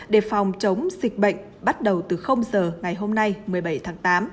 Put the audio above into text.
để phòng chống dịch bệnh bắt đầu từ giờ ngày hôm nay một mươi bảy tháng tám